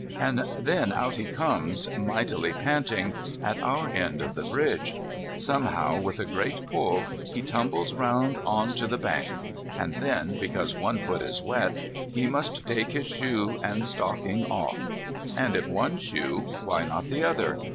And then out he comes, mightily panting, at our end of the bridge. Somehow, with a great pull, he tumbles round on to the bank. And then, because one foot is wet he must take his shoe and stocking off. And if one shoe, why not the other?